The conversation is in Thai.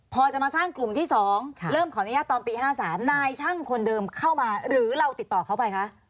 พอจะมาสร้างกลุ่มที่๒เริ่มขออนุญาตตอนปี๕๓นายช่างคนเดิมเข้ามาหรือเราติดต่อเขาไปคะ